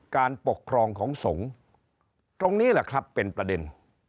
การปกครองของสงฆ์ตรงนี้แหละครับเป็นประเด็น